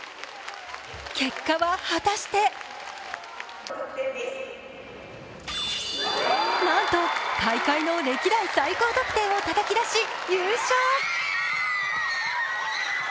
結果は果たしてなんと、大会の歴代最高得点をたたき出し、優勝。